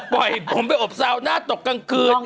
ไปผมไปอบซาวน่าตกคังคืน